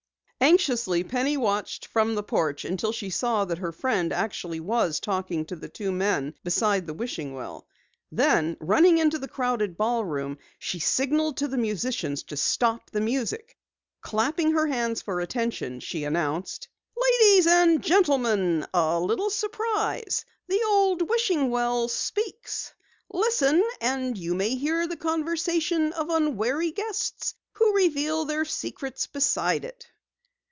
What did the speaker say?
Anxiously Penny watched from the porch until she saw that her friend actually was talking to the two men beside the wishing well. Then, running into the crowded ballroom, she signaled the musicians to stop the music. Clapping her hands for attention, she announced: "Ladies and gentlemen a little surprise! The Old Wishing Well speaks! Listen and you may hear the conversation of unwary guests who reveal their secrets beside it!"